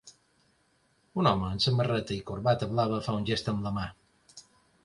Un home amb samarreta i corbata blava fa un gest amb la mà